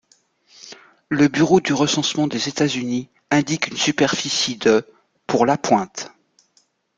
Le Bureau du recensement des États-Unis indique une superficie de pour La Pointe.